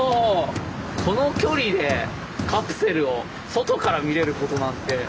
この距離でカプセルを外から見れることなんて。